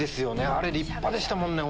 あれ立派でしたもんね